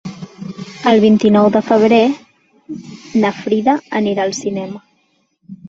El vint-i-nou de febrer na Frida anirà al cinema.